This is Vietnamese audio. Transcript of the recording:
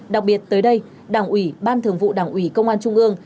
đặc biệt tới đây đảng ủy ban thường vụ đảng ủy công an trung ương